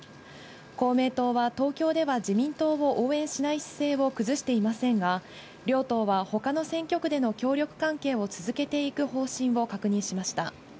公明党は東京では自民党を応援しない姿勢を崩していませんが、両党はほかの選挙区での協力関係を続けていく方針を確認しました。